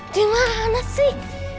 di mana sih